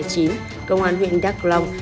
công an huyện đắk long